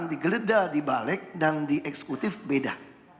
jadi tidak dibalik dan dieksekutif beda